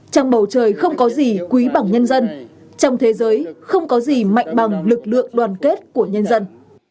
trong bầu trời không có gì quý bằng nhân dân trong thế giới không có gì mạnh bằng lực lượng đoàn kết của nhân dân